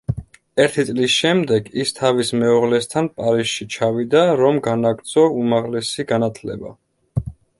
ერთი წლის შემდეგ, ის თავის მეუღლესთან პარიზში ჩავიდა, რომ განაგრძო უმაღლესი განათლება.